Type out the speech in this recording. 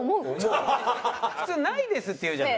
普通「ないです」って言うじゃない。